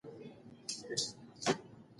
هغه د کورنۍ لپاره روغتیايي تدابیر نیسي.